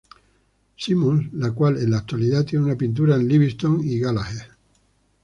Simon´s, la cual en la actualidad tiene una pintura de Livingstone y Gallagher.